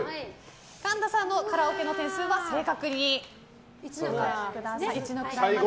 神田さんのカラオケの点数は正確に１の位までお書きください。